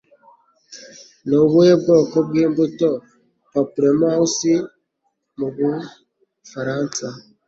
Ni ubuhe bwoko bw'imbuto “Pamplemouse” mu Bufaransa?